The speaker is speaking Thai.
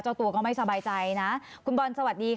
ตัวก็ไม่สบายใจนะคุณบอลสวัสดีค่ะ